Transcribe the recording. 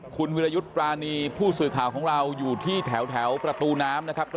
คุณวิรยุทธ์ปรานีผู้สื่อข่าวของเราอยู่ที่แถวประตูน้ำนะครับ